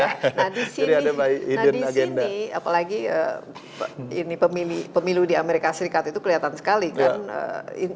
nah di sini apalagi pemilu di amerika serikat itu kelihatan sekali kan